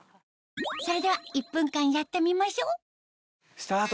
それでは１分間やってみましょうスタート。